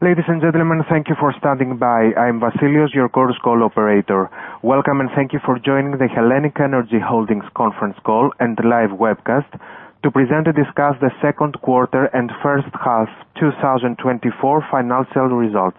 Ladies and gentlemen, thank you for standing by. I'm Vasilios, your Chorus Call operator. Welcome, and thank you for joining the HELLENiQ ENERGY Holdings conference call and live webcast to present and discuss the second quarter and first half, two thousand and twenty-four financial results.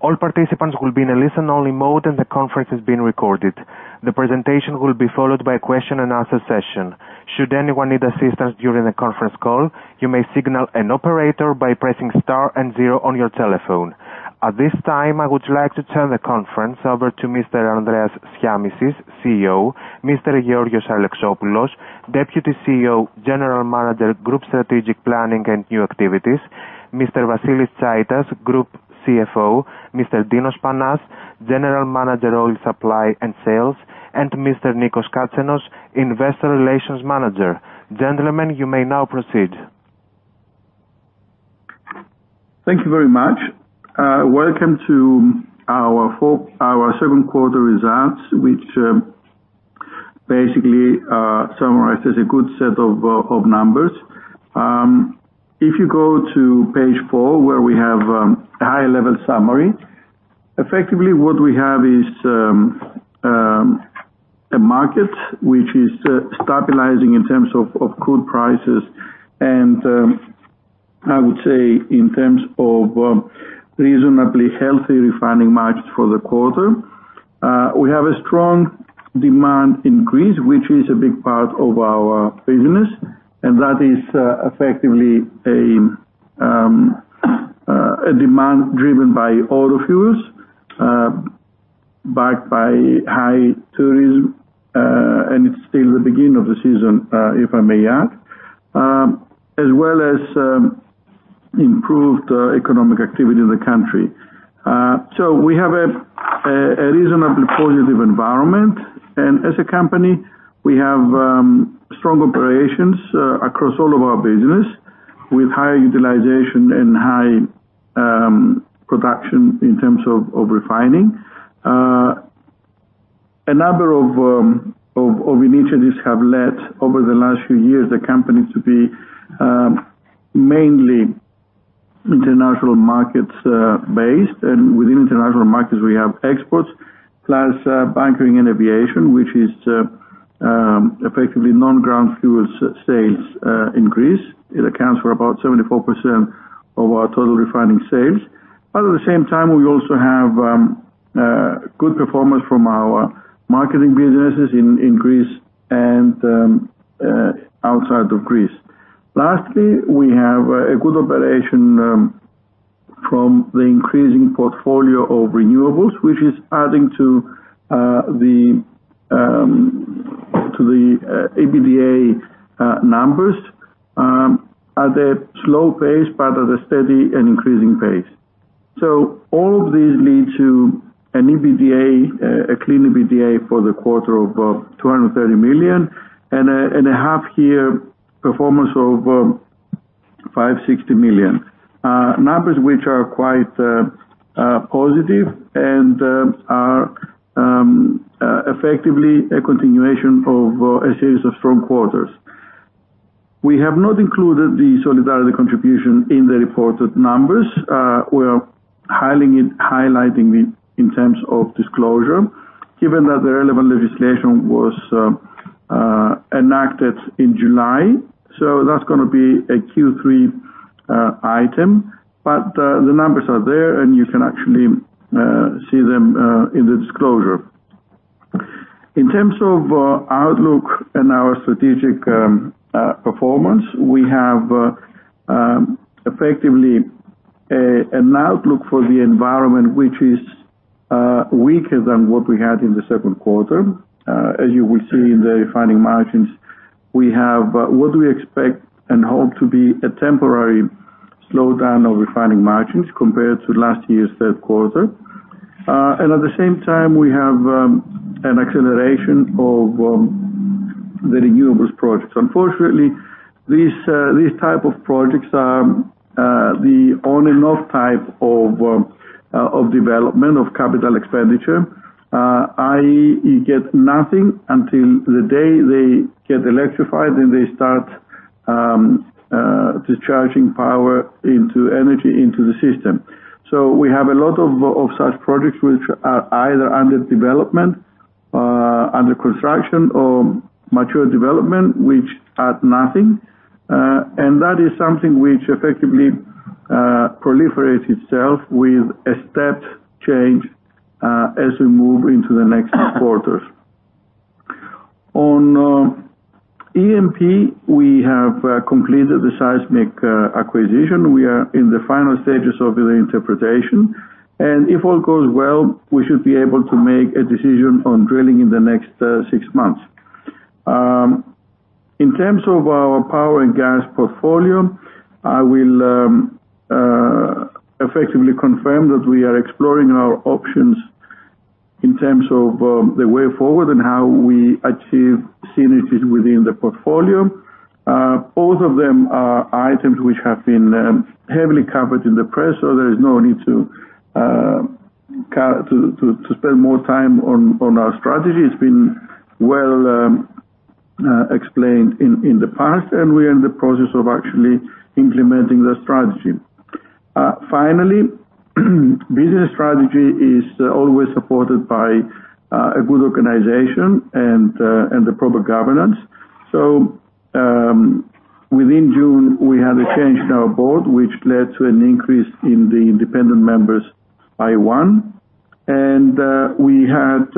All participants will be in a listen-only mode, and the conference is being recorded. The presentation will be followed by a question-and-answer session. Should anyone need assistance during the conference call, you may signal an operator by pressing star and zero on your telephone. At this time, I would like to turn the conference over to Mr. Andreas Shiamishis, CEO, Mr. Georgios Alexopoulos, Deputy CEO, General Manager, Group Strategic Planning and New Activities, Mr. Vasilis Tsaitas, Group CFO, Mr. Dinos Panas, General Manager, Oil Supply and Sales, and Mr. Nikos Katsanos, Investor Relations Manager. Gentlemen, you may now proceed. Thank you very much. Welcome to our second quarter results, which basically summarizes a good set of numbers. If you go to page four, where we have a high-level summary, effectively what we have is a market which is stabilizing in terms of crude prices and I would say in terms of reasonably healthy refining margins for the quarter. We have a strong demand increase, which is a big part of our business, and that is effectively a demand driven by auto fuels backed by high tourism, and it's still the beginning of the season, if I may add, as well as improved economic activity in the country. So we have a reasonably positive environment, and as a company, we have strong operations across all of our business, with high utilization and high production in terms of refining. A number of initiatives have led, over the last few years, the company to be mainly international markets based, and within international markets, we have exports, plus bunkering and aviation, which is effectively non-ground fuel sales in Greece. It accounts for about 74% of our total refining sales. But at the same time, we also have good performance from our marketing businesses in Greece and outside of Greece. Lastly, we have a good operation from the increasing portfolio of renewables, which is adding to the EBITDA numbers at a slow pace, but at a steady and increasing pace. So all of these lead to an EBITDA, a clean EBITDA for the quarter of 230 million, and a half year performance of 560 million. Numbers which are quite positive and are effectively a continuation of a series of strong quarters. We have not included the solidarity Contribution in the reported numbers. We're highlighting it, highlighting the, in terms of disclosure, given that the relevant legislation was enacted in July, so that's gonna be a Q3 item, but the numbers are there, and you can actually see them in the disclosure. In terms of outlook and our strategic performance, we have effectively an outlook for the environment which is weaker than what we had in the second quarter. As you will see in the refining margins, we have what we expect and hope to be a temporary slowdown of refining margins compared to last year's third quarter. At the same time, we have an acceleration of the renewables projects. Unfortunately, these type of projects are the on and off type of development of capital expenditure. i.e., you get nothing until the day they get electrified and they start discharging power into energy into the system. So we have a lot of such projects which are either under development, under construction or mature development, which add nothing, and that is something which effectively proliferates itself with a step change as we move into the next quarters. On E&P, we have completed the seismic acquisition. We are in the final stages of the interpretation, and if all goes well, we should be able to make a decision on drilling in the next six months. In terms of our power and gas portfolio, I will effectively confirm that we are exploring our options in terms of the way forward and how we achieve synergies within the portfolio. Both of them are items which have been heavily covered in the press, so there is no need to spend more time on our strategy. It's been well explained in the past, and we are in the process of actually implementing the strategy. Finally, business strategy is always supported by a good organization and the proper governance. Within June, we had a change in our board, which led to an increase in the independent members by one. We had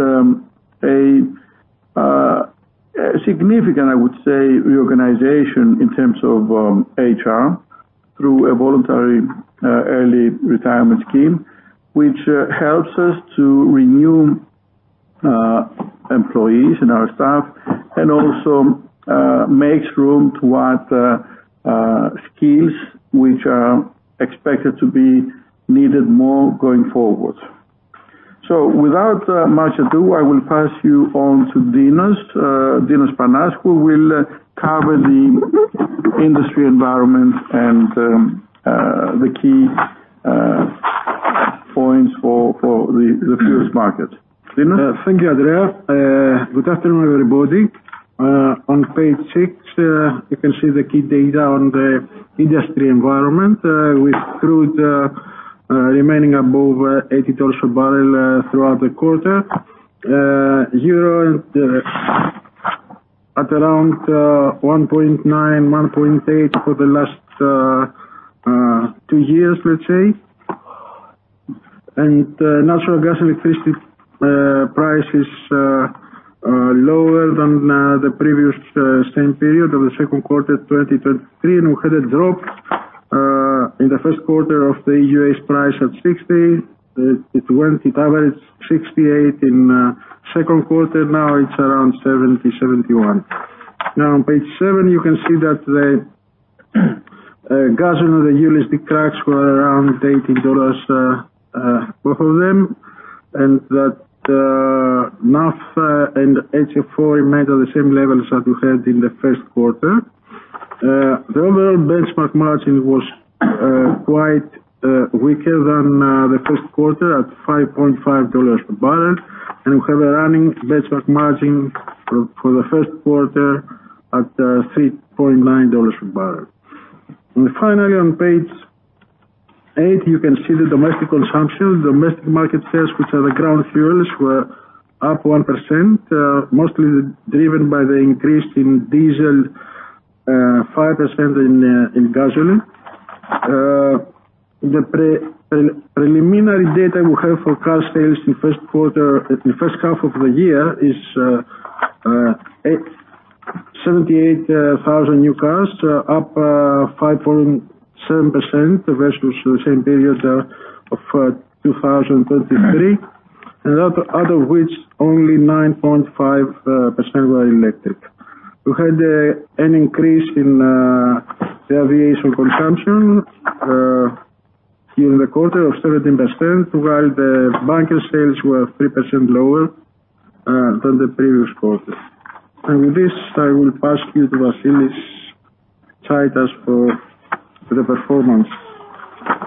a significant, I would say, reorganization in terms of HR through a voluntary early retirement scheme, which helps us to renew employees and our staff, and also makes room to add skills which are expected to be needed more going forward. So without much ado, I will pass you on to Dinos Panas, who will cover the industry environment and the key points for the fuels market. Dinos? Thank you, Andrea. Good afternoon, everybody. On page six, you can see the key data on the industry environment with crude remaining above $80 a barrel throughout the quarter. Euro at around 1.9-1.8 for the last two years, let's say. Natural gas, electricity price is lower than the previous same period of the second quarter, 2023. We had a drop in the first quarter of the US price at $60. It went, it averaged $68 in second quarter, now it's around $70-$71. Now, on page seven, you can see that the gasoline and the ULSD cracks were around $80 both of them, and that Naphtha and HFO Oremained at the same levels that we had in the first quarter. The overall benchmark margin was quite weaker than the first quarter, at $5.5 per barrel, and we have a running benchmark margin for the first quarter at $3.9 per barrel. Finally, on page eight, you can see the domestic consumption. Domestic market sales, which are the ground fuels, were up 1%, mostly driven by the increase in diesel 5% in gasoline. The preliminary data we have for car sales in the first quarter, the first half of the year is 878 thousand new cars, up 5.7% versus the same period of 2023, and out of which only 9.5% were electric. We had an increase in the aviation consumption in the quarter of 17%, while the bunker sales were 3% lower than the previous quarter. With this, I will pass you to Vasilis Tsaitas for the performance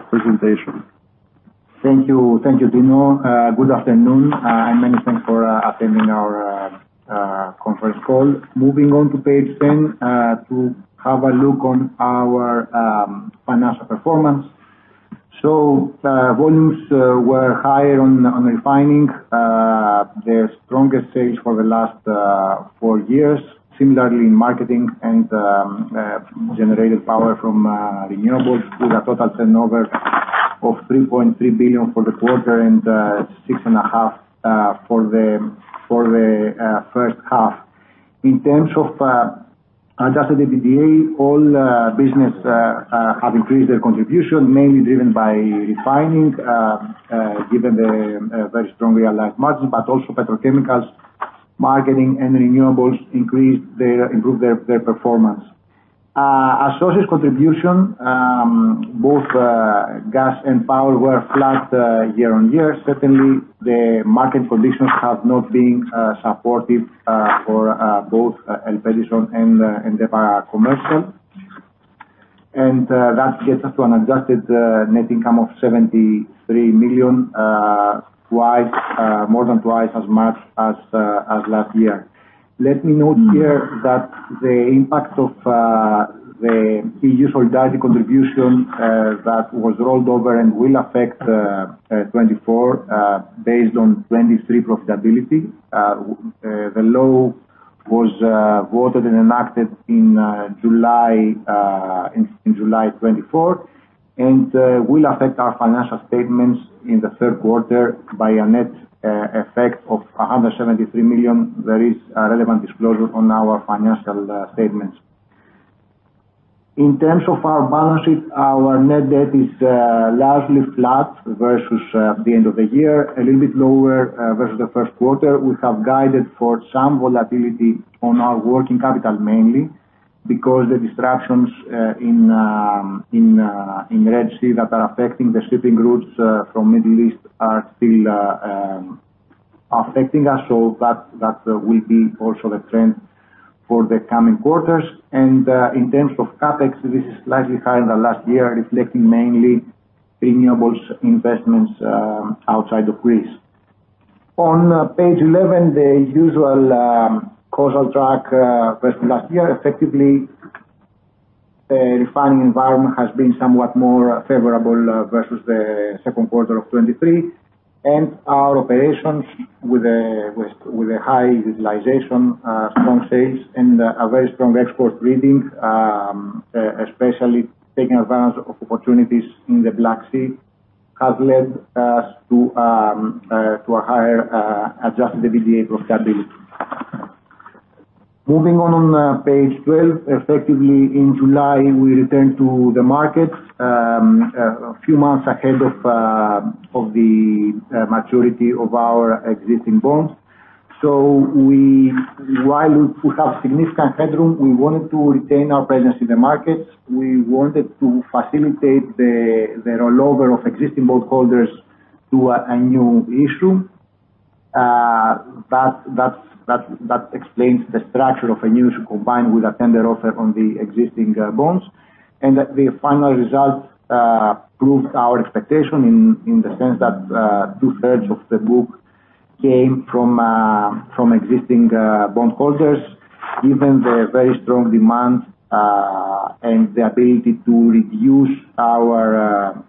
presentation. Thank you. Thank you, Dinos. Good afternoon, and many thanks for attending our conference call. Moving on to page 10, to have a look on our financial performance. So, volumes were high on refining, their strongest sales for the last four years. Similarly, in marketing and generated power from renewables with a total turnover of 3.3 billion for the quarter and 6.5 billion for the first half. In terms of adjusted EBITDA, all business have increased their contribution, mainly driven by refining, given the very strong realized margin, but also petrochemicals, marketing, and renewables improved their performance. Associates' contribution, both gas and power were flat year on year. Certainly, the market conditions have not been supportive for both Elpedison and DEPA Commercial. And that gets us to an adjusted net income of 73 million, twice more than twice as much as last year. Let me note here that the impact of the EU Solidarity Contribution that was rolled over and will affect 2024 based on 2023 profitability. The law was voted and enacted in July 2024, and will affect our financial statements in the third quarter by a net effect of 173 million. There is a relevant disclosure on our financial statements. In terms of our balance sheet, our net debt is largely flat versus the end of the year, a little bit lower versus the first quarter. We have guided for some volatility on our working capital, mainly because the disruptions in Red Sea that are affecting the shipping routes from Middle East are still affecting us. So that will be also the trend for the coming quarters. And in terms of CapEx, this is slightly higher than last year, reflecting mainly renewables investments outside of Greece. On page 11, the usual cracks track versus last year, effectively, the refining environment has been somewhat more favorable versus the second quarter of 2023. And our operations with a high utilization, strong sales and a very strong export reading, especially taking advantage of opportunities in the Black Sea, has led us to a higher adjusted EBITDA profitability. Moving on. On page twelve. Effectively, in July, we returned to the markets a few months ahead of the maturity of our existing bonds. So we, while we have significant headroom, we wanted to retain our presence in the markets. We wanted to facilitate the rollover of existing bondholders to a new issue. That explains the structure of a new combined with a tender offer on the existing bonds. The final result proved our expectation in the sense that two-thirds of the book came from existing bondholders. Given the very strong demand and the ability to reduce our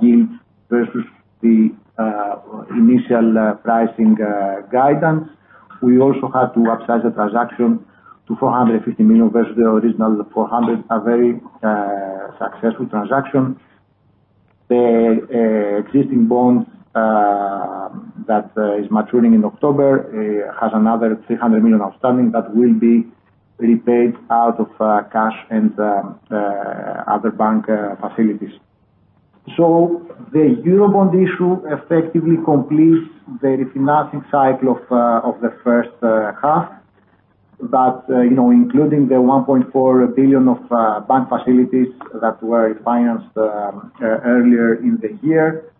yield versus the initial pricing guidance, we also had to upsize the transaction to 450 million versus the original 400 million, a very successful transaction. The existing bonds that is maturing in October has another 300 million outstanding that will be repaid out of cash and other bank facilities. So the Eurobond issue effectively completes the refinancing cycle of the first half. But, you know, including the 1.4 billion of bank facilities that were financed earlier in the year,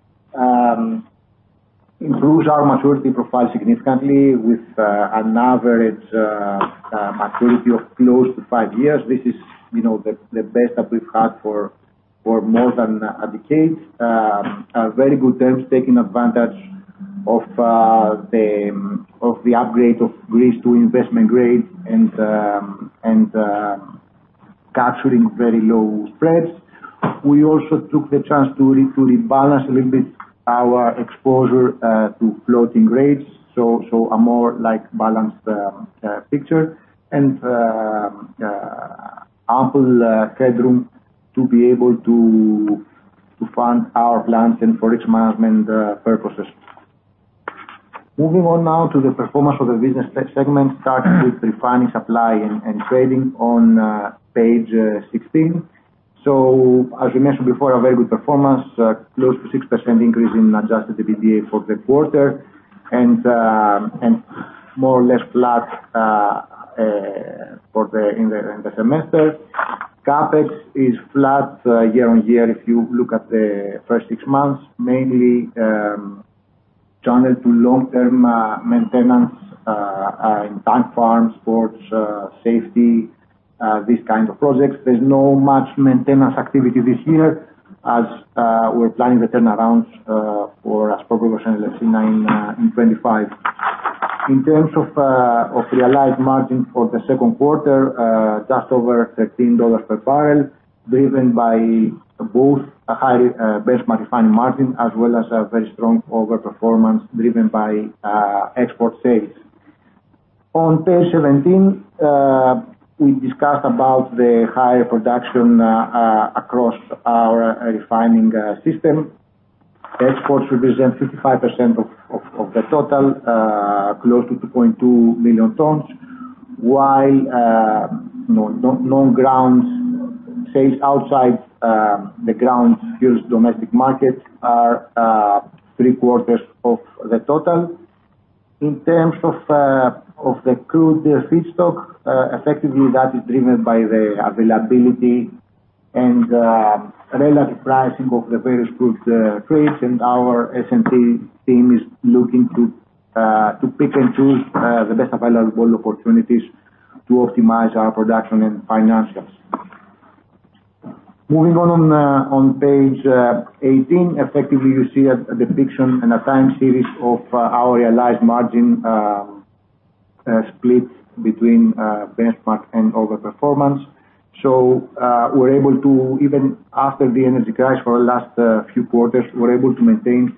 improves our maturity profile significantly with an average maturity of close to five years. This is, you know, the best that we've had for more than a decade. Very good terms, taking advantage of the upgrade of Greece to investment grade and capturing very low spreads. We also took the chance to rebalance a little bit our exposure to floating rates, so a more, like, balanced picture and ample headroom to be able to fund our plans and for risk management purposes. Moving on now to the performance of the business segment, starting with refining, supply, and trading on page 16. So as we mentioned before, a very good performance, close to 6% increase in adjusted EBITDA for the quarter, and more or less flat for the semester. CapEx is flat year-on-year if you look at the first six months, mainly channeled to long-term maintenance in tank farms, ports, safety, these kind of projects. There's no much maintenance activity this year, as we're planning the turnarounds for as per usual, let's say, nine in 2025. In terms of realized margin for the second quarter, just over $13 per barrel, driven by both a high benchmark refining margin, as well as a very strong overperformance driven by export sales. On page 17, we discussed about the higher production across our refining system. Exports represent 55% of the total, close to 2.2 million tons, while non-ground sales outside the ground fuels domestic markets are three-quarters of the total. In terms of the crude feedstock, effectively, that is driven by the availability and relative pricing of the various crude trades, and our S&T team is looking to pick and choose the best available opportunities to optimize our production and financials. Moving on, on page 18. Effectively, you see a depiction and a time series of our realized margin, split between benchmark and overperformance. So, we're able to, even after the energy crash for the last few quarters, we're able to maintain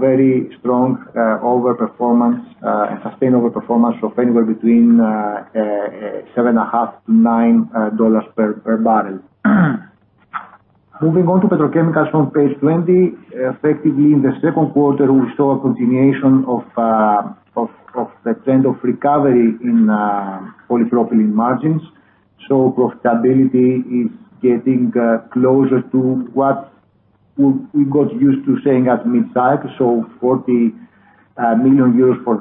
very strong overperformance and sustainable performance of anywhere between $7.5-$9 per barrel. Moving on to petrochemicals on page 20. Effectively, in the second quarter, we saw a continuation of the trend of recovery in polypropylene margins. So profitability is getting closer to what we got used to seeing at mid-cycle. So 40 million euros for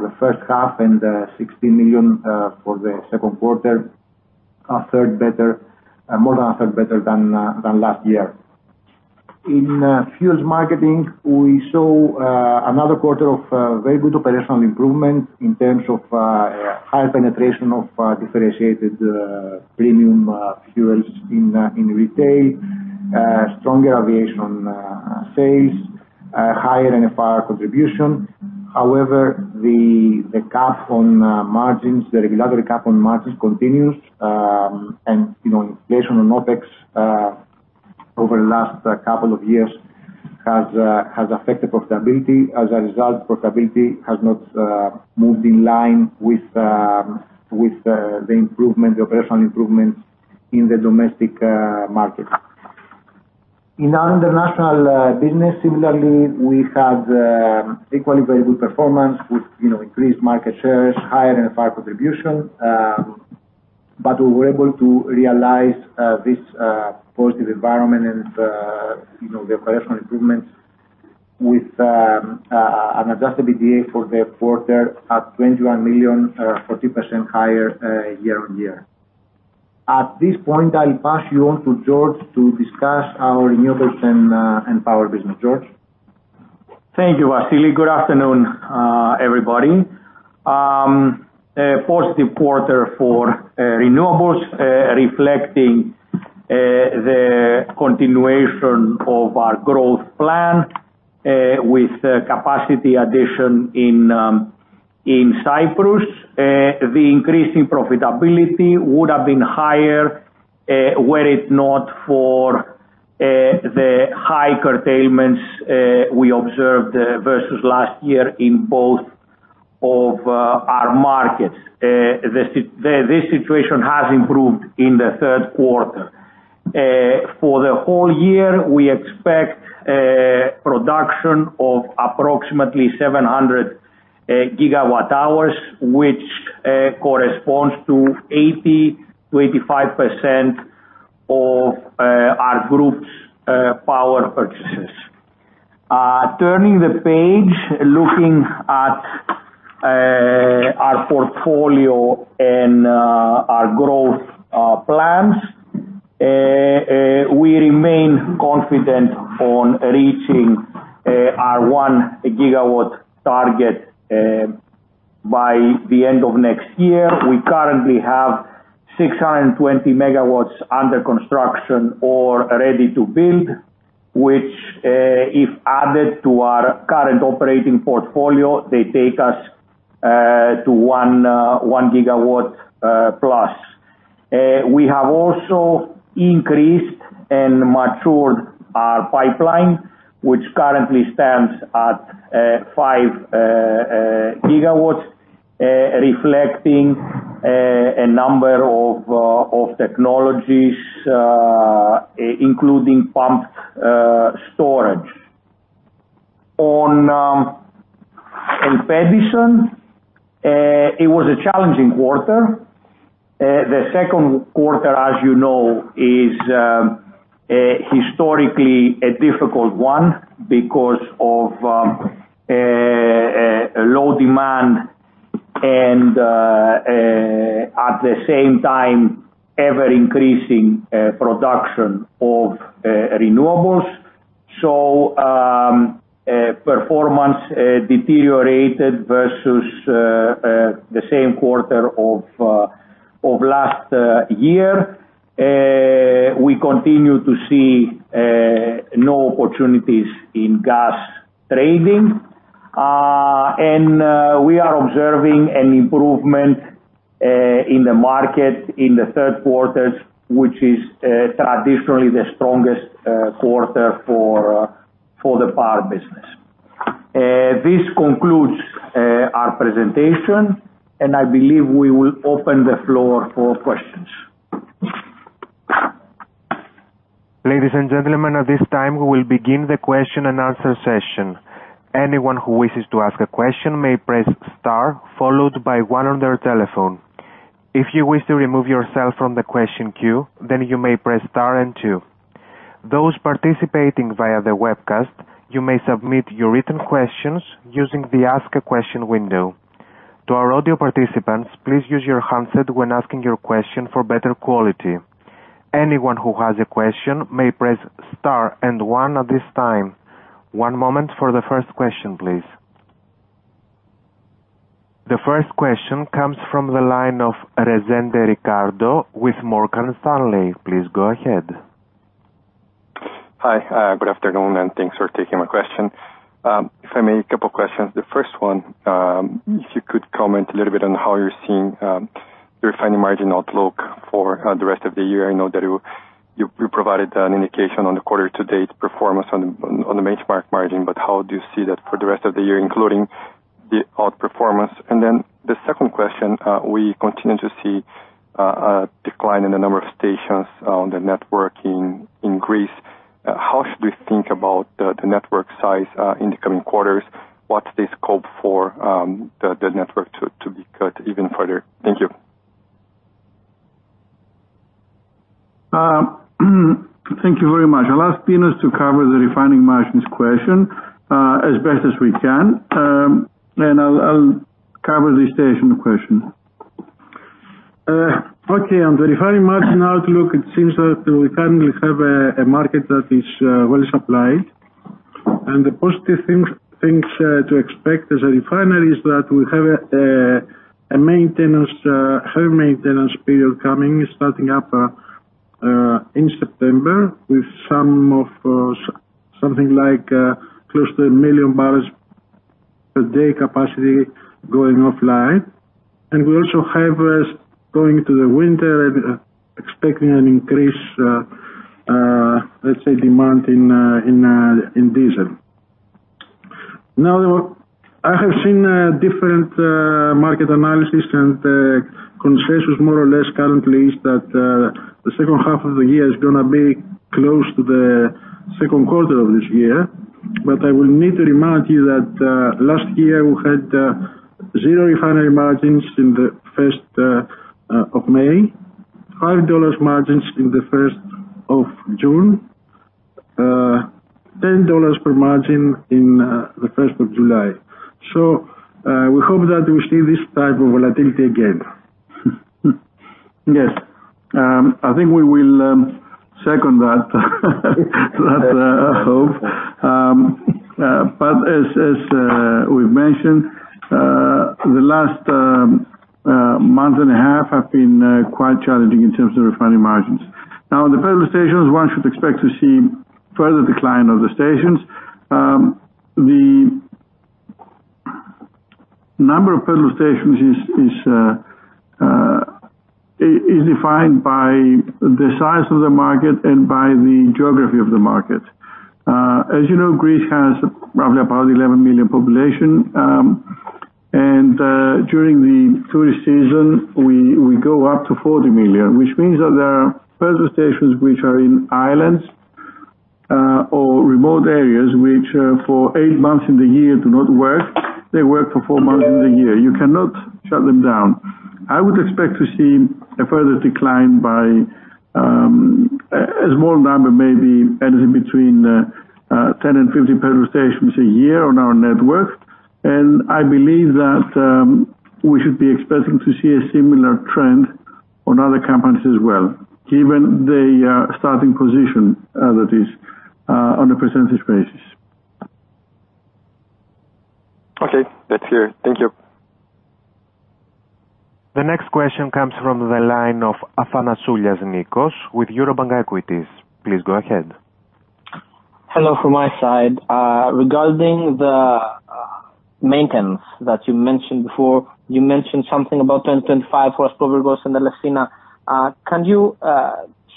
the first half and 16 million for the second quarter, a third better, more than a third better than last year. In fuels marketing, we saw another quarter of very good operational improvement in terms of high penetration of differentiated premium fuels in retail, stronger aviation sales, higher NFR contribution. However, the cap on margins, the regulatory cap on margins continues, and, you know, inflation on OpEx over the last couple of years has affected profitability. As a result, profitability has not moved in line with the improvement, the operational improvements in the domestic market. In our international business, similarly, we had equally very good performance with, you know, increased market shares, higher NFR contribution, but we were able to realize this positive environment and, you know, the operational improvements with an adjusted EBITDA for the quarter at 21 million, 40% higher, year-on-year. At this point, I'll pass you on to George to discuss our renewables and power business. George? Thank you, Vasilis. Good afternoon, everybody. A positive quarter for renewables, reflecting the continuation of our growth plan with the capacity addition in Cyprus. The increase in profitability would have been higher were it not for the high curtailments we observed versus last year in both of our markets. This situation has improved in the third quarter. For the whole year, we expect production of approximately 700 gigawatt hours, which corresponds to 80%-85% of our group's power purchases. Turning the page, looking at our portfolio and our growth plans, we remain confident on reaching our 1 gigawatt target by the end of next year. We currently have six hundred and twenty megawatts under construction or ready to build, which, if added to our current operating portfolio, they take us to one gigawatt, plus. We have also increased and matured our pipeline, which currently stands at five gigawatts, reflecting a number of technologies, including pumped storage. On Elpedison, it was a challenging quarter. The second quarter, as you know, is historically a difficult one because of low demand and, at the same time, ever-increasing production of renewables, so performance deteriorated versus the same quarter of last year. We continue to see no opportunities in gas trading. And we are observing an improvement in the market in the third quarters, which is traditionally the strongest quarter for the power business. This concludes our presentation, and I believe we will open the floor for questions. Ladies and gentlemen, at this time, we will begin the question and answer session. Anyone who wishes to ask a question may press star, followed by one on their telephone. If you wish to remove yourself from the question queue, then you may press star and two. Those participating via the webcast, you may submit your written questions using the Ask a Question window. To our audio participants, please use your handset when asking your question for better quality. Anyone who has a question may press star and one at this time. One moment for the first question, please. The first question comes from the line of Ricardo Rezende with Morgan Stanley. Please go ahead. Hi, good afternoon, and thanks for taking my question. If I may, a couple of questions. The first one, if you could comment a little bit on how you're seeing your refining margin outlook for the rest of the year. I know that you provided an indication on the quarter to date performance on the benchmark margin, but how do you see that for the rest of the year, including the outperformance? And then the second question, we continue to see a decline in the number of stations on the network in Greece. How should we think about the network size in the coming quarters? What's the scope for the network to be cut even further? Thank you. Thank you very much. I'll ask Dinos to cover the refining margins question as best as we can, and I'll cover the station question. Okay, on the refining margin outlook, it seems that we currently have a market that is well supplied. ...And the positive things to expect as a refinery is that we have a high maintenance period coming, starting up in September, with some of something like close to a million barrels per day capacity going offline. And we also have going into the winter and expecting an increase, let's say, demand in diesel. Now, I have seen different market analysis and consensus more or less currently is that the second half of the year is gonna be close to the second quarter of this year. But I will need to remind you that, last year we had zero refinery margins in the first of May, $5 margins in the first of June, $10 per margin in the first of July. So, we hope that we see this type of volatility again. Yes. I think we will second that hope, but as we've mentioned, the last month and a half have been quite challenging in terms of refinery margins. Now, the petrol stations, one should expect to see further decline of the stations. The number of petrol stations is defined by the size of the market and by the geography of the market. As you know, Greece has roughly about 11 million population, and during the tourist season, we go up to 40 million, which means that there are petrol stations which are in islands or remote areas which for eight months in the year do not work. They work for four months in the year. You cannot shut them down. I would expect to see a further decline by a small number, maybe anything between 10 and 50 petrol stations a year on our network. And I believe that we should be expecting to see a similar trend on other companies as well, given the starting position that is on a percentage basis. Okay, that's clear. Thank you. The next question comes from the line of Nikos Athanasiou with Eurobank Equities. Please go ahead. Hello from my side. Regarding the maintenance that you mentioned before, you mentioned something about 10, 25 for Aspropyrgos and Elefsina. Can you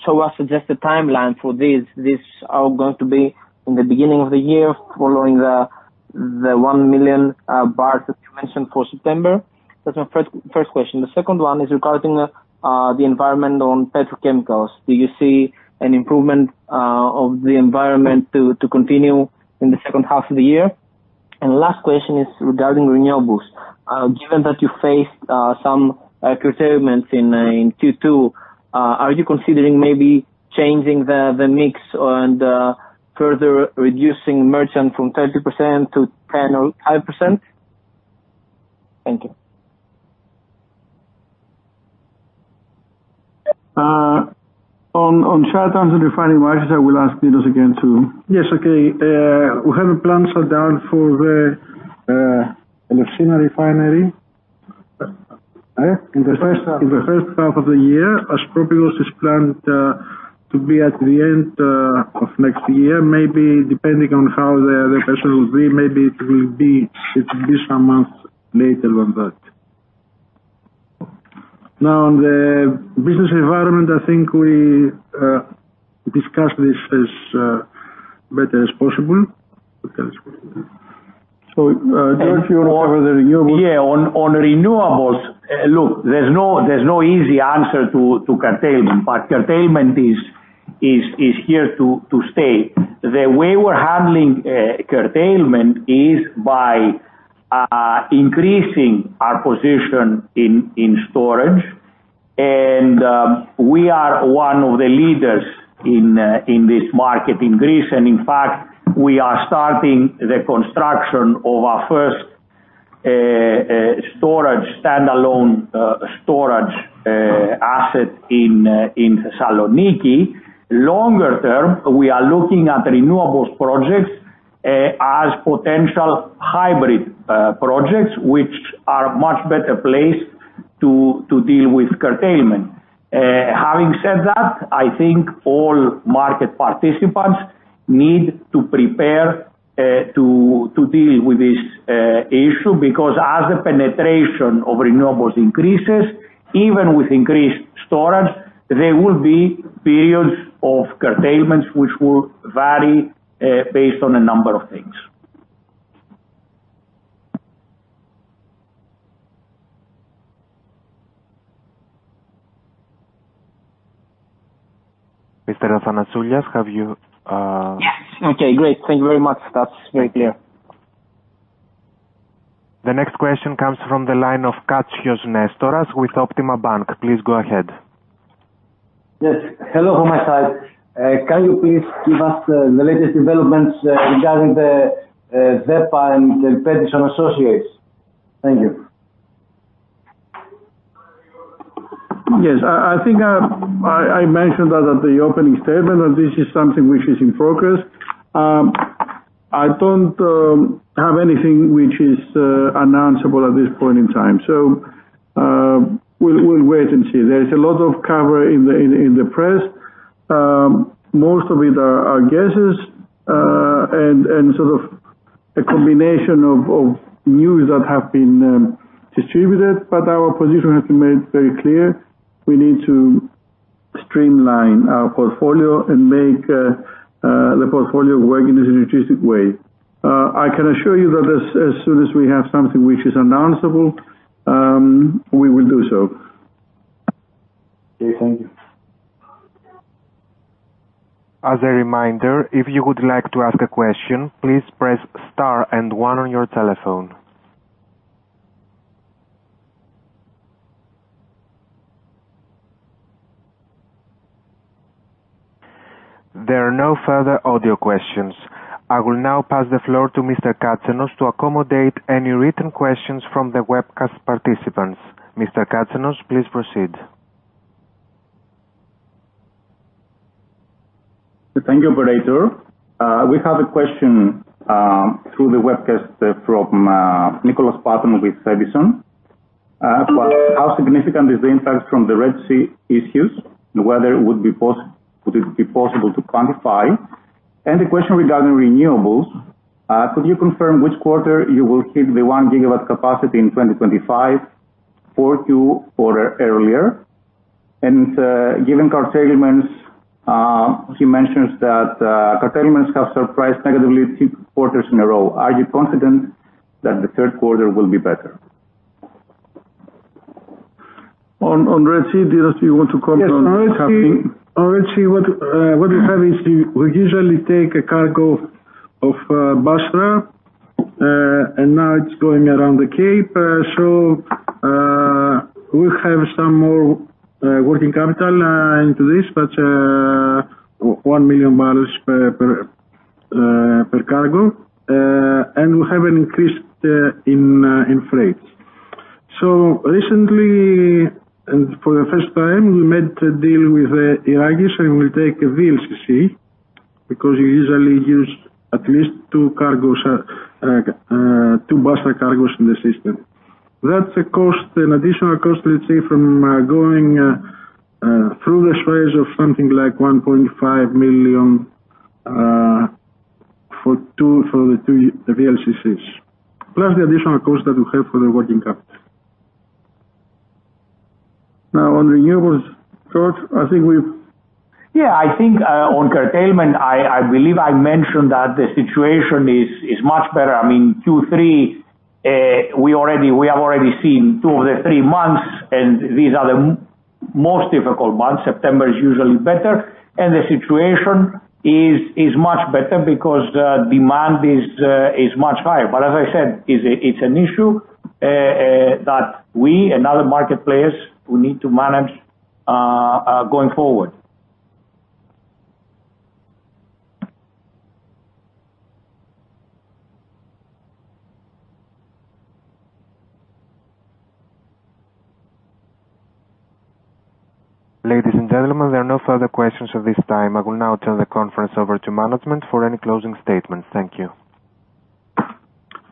show us just the timeline for this? These are going to be in the beginning of the year, following the 1 million barrels that you mentioned for September? That's my first question. The second one is regarding the environment on petrochemicals. Do you see an improvement of the environment to continue in the second half of the year? And last question is regarding renewables. Given that you faced some curtailments in Q2, are you considering maybe changing the mix and further reducing merchant from 30% to 10% or 5%? Thank you. On short-term refinery margins, I will ask Dinos again to- Yes, okay. We have plans are down for the Elefsina Refinery. In the first half. In the first half of the year, Aspropyrgos is planned to be at the end of next year. Maybe depending on how the pressure will be, maybe it will be some months later than that. Now, on the business environment, I think we discussed this as best as possible. So, George, you want to cover the renewables? Yeah. On renewables, look, there's no easy answer to curtailment, but curtailment is here to stay. The way we're handling curtailment is by increasing our position in storage. And we are one of the leaders in this market in Greece. And in fact, we are starting the construction of our first standalone storage asset in Thessaloniki. Longer term, we are looking at renewables projects as potential hybrid projects, which are much better placed to deal with curtailment. Having said that, I think all market participants need to prepare to deal with this issue, because as the penetration of renewables increases, even with increased storage, there will be periods of curtailments which will vary based on a number of things. Mr. Athanasiou, have you- Yes. Okay, great. Thank you very much. That's very clear. The next question comes from the line of Nestoras Katsios with Optima Bank. Please go ahead. Yes. Hello from my side. Can you please give us the latest developments regarding the DEPA and the Elpedison Associates? Thank you.... Yes, I think I mentioned that at the opening statement, that this is something which is in focus. I don't have anything which is announceable at this point in time. So, we'll wait and see. There is a lot of cover in the press, most of it are guesses, and sort of a combination of news that have been distributed. But our position has been made very clear. We need to streamline our portfolio and make the portfolio work in a synergistic way. I can assure you that as soon as we have something which is announceable, we will do so. Okay, thank you. As a reminder, if you would like to ask a question, please press star and one on your telephone. There are no further audio questions. I will now pass the floor to Mr. Katsanos to accommodate any written questions from the webcast participants. Mr. Katsanos, please proceed. Thank you, operator. We have a question through the webcast from Nicholas Paton with Edison. How significant is the impact from the Red Sea issues, and whether it would be possible to quantify? And a question regarding renewables. Could you confirm which quarter you will hit the one gigawatt capacity in 2025 or two quarters earlier? And, given curtailments, he mentions that curtailments have surprised negatively two quarters in a row. Are you confident that the third quarter will be better? On Red Sea, do you want to comment on- Yes, on Red Sea, on Red Sea, what we have is we usually take a cargo of Basra, and now it's going around the Cape. So we have some more working capital into this, but one million barrels per cargo. And we have an increase in freight. So recently, and for the first time, we made a deal with the Iraqis, and we'll take a VLCC, because we usually use at least two cargoes, two Basra cargoes in the system. That's a cost, an additional cost, let's say, from going through the straits of something like $1.5 million for the two VLCCs, plus the additional cost that we have for the working capital. Now, on renewables, George, I think we- Yeah, I think, on curtailment, I believe I mentioned that the situation is much better. I mean, Q3, we have already seen two of the three months, and these are the most difficult months. September is usually better, and the situation is much better because, demand is much higher. But as I said, it's an issue that we and other market players need to manage going forward. Ladies and gentlemen, there are no further questions at this time. I will now turn the conference over to management for any closing statements. Thank you.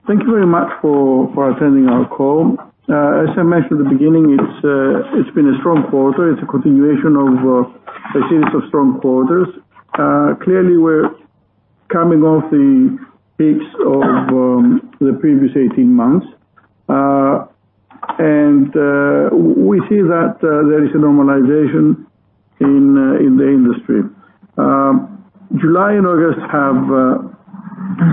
Thank you very much for attending our call. As I mentioned at the beginning, it's been a strong quarter. It's a continuation of a series of strong quarters. Clearly, we're coming off the peaks of the previous eighteen months, and we see that there is a normalization in the industry. July and August have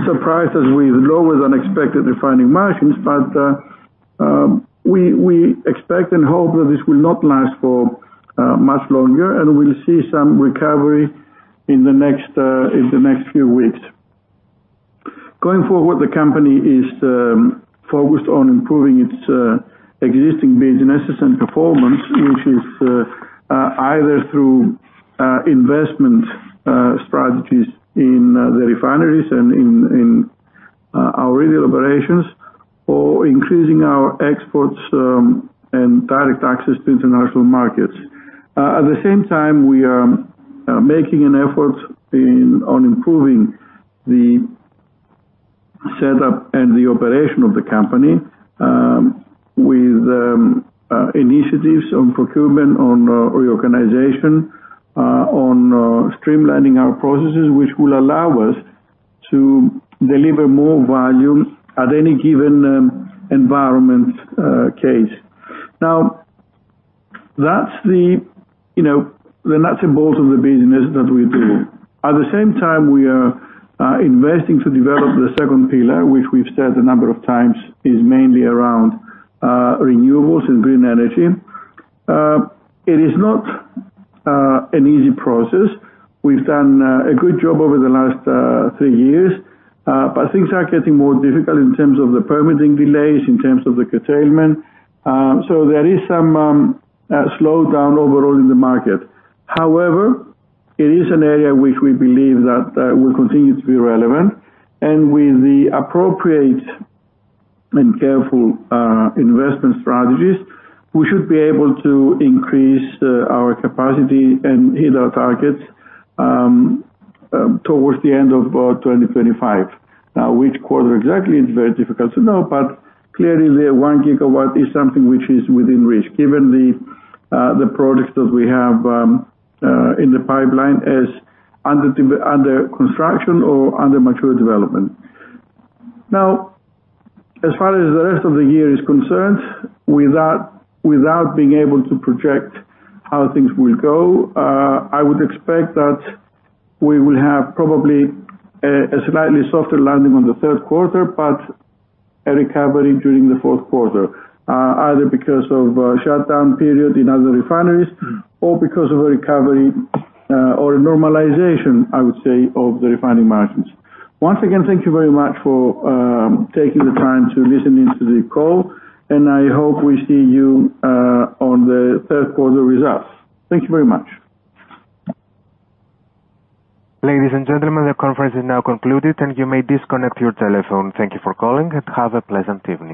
surprised us with lower than expected refining margins, but we expect and hope that this will not last for much longer, and we'll see some recovery in the next few weeks. Going forward, the company is focused on improving its existing businesses and performance, which is either through investment strategies in the refineries and in our retail operations, or increasing our exports and direct access to international markets. At the same time, we are making an effort in on improving the setup and the operation of the company with initiatives on procurement, on reorganization, on streamlining our processes, which will allow us to deliver more volume at any given environment case. Now, that's the, you know, the nuts and bolts of the business that we do. At the same time, we are investing to develop the second pillar, which we've said a number of times, is mainly around renewables and green energy. It is not an easy process. We've done a good job over the last three years, but things are getting more difficult in terms of the permitting delays, in terms of the curtailment. So there is some slowdown overall in the market. However, it is an area which we believe that will continue to be relevant, and with the appropriate and careful investment strategies, we should be able to increase our capacity and hit our targets towards the end of 2025. Now, which quarter exactly, it's very difficult to know, but clearly, the one gigawatt is something which is within reach, given the products that we have in the pipeline as under construction or under mature development. Now, as far as the rest of the year is concerned, without being able to project how things will go, I would expect that we will have probably a slightly softer landing on the third quarter, but a recovery during the fourth quarter, either because of shutdown period in other refineries or because of a recovery or a normalization, I would say, of the refining margins. Once again, thank you very much for taking the time to listen in to the call, and I hope we see you on the third quarter results. Thank you very much. Ladies and gentlemen, the conference is now concluded, and you may disconnect your telephone. Thank you for calling and have a pleasant evening.